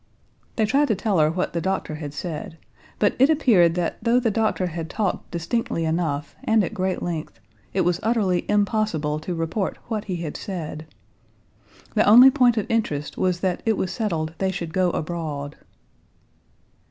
They tried to tell her what the doctor had said, but it appeared that though the doctor had talked distinctly enough and at great length, it was utterly impossible to report what he had said. The only point of interest was that it was settled they should go abroad.